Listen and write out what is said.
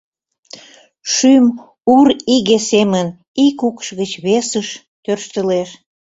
Шӱм ур иге семын ик укш гыч весыш тӧрштылеш.